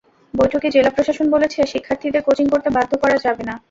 বৈঠকে জেলা প্রশাসন বলেছে, শিক্ষার্থীদের কোচিং করতে বাধ্য করা যাবে না।